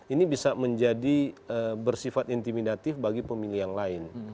ini bisa menjadi bersifat intimidatif bagi pemilih yang lain